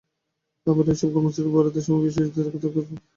আবার, এসব কর্মসূচির বরাদ্দের সময় শিশুদের কথা একদমই বিবেচনায় নেওয়া হচ্ছে না।